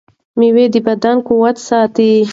مېوه د بدن قوت ساتي.